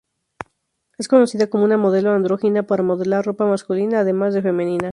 Es conocida como una modelo andrógina por modelar ropa masculina además de femenina.